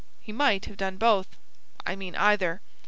He might have done both I mean either.